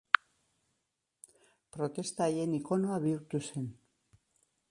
Protesta haien ikonoa bihurtu zen.